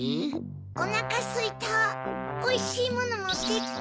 おなかすいたおいしいものもってきて。